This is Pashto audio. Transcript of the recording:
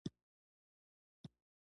ژبه د مذهبي شعائرو څرګندونه کوي